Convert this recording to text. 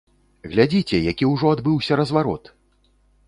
Глядзіце, які ўжо адбыўся разварот!